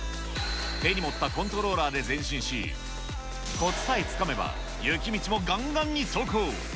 手に持ったコントローラーで前進し、こつさえつかめば雪道もがんがんに走行。